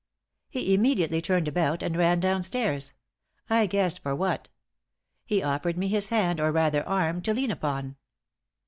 "He immediately turned about, and ran downstairs. I guessed for what.. .. He offered me his hand, or rather arm, to lean upon.